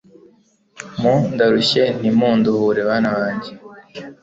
mu ndarushye ntimunduhure bana banje